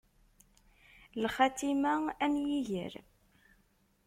Lxatima am yiger.